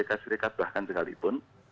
as bahkan sekalipun